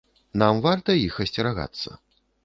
Нам варта іх асцерагацца?